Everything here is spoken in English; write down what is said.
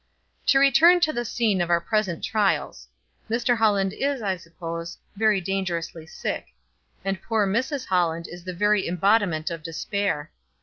"To return to the scene of our present trials: Mr. Holland is, I suppose, very dangerously sick; and poor Mrs. Holland is the very embodiment of despair.